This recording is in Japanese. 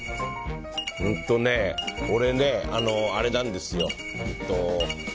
俺ね、あれなんですよ。